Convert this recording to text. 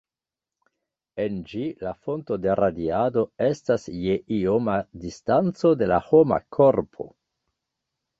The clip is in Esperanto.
En ĝi la fonto de radiado estas je ioma distanco de la homa korpo.